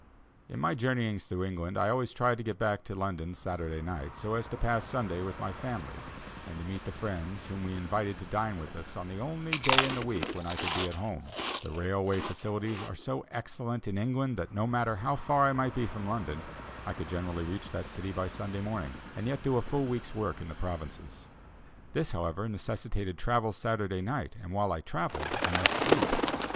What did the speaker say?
In my journeyings through England, I always tried to get back to London Saturday night, so as to pass Sunday with my family, and to meet the friends whom we invited to dine with us on the only day in the week when I could be at home. The railway facilities are so excellent in England, that, no matter how far I might be from London, I could generally reach that city by Sunday morning, and yet do a full week's work in the provinces. This, however, necessitated travel Saturday night, and while I travelled I must sleep.